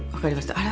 「あら！